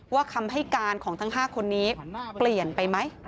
คำให้การของทั้ง๕คนนี้เปลี่ยนไปไหม